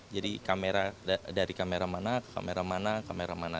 jadi kamera dari kamera mana ke kamera mana kamera mana